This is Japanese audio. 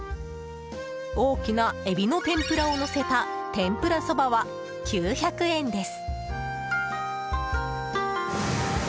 大きなエビの天ぷらをのせた天ぷらそばは、９００円です。